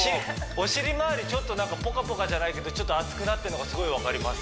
お尻まわりポカポカじゃないけどちょっと熱くなってるのがすごい分かります